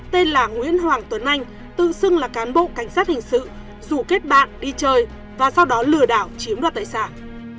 tên là nguyễn hoàng tuấn anh tự xưng là cán bộ cảnh sát hình sự rủ kết bạn đi chơi và sau đó lừa đảo chiếm đoạt tài sản